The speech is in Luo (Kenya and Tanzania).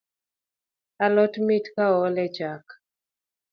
Alot mit ka ool e chak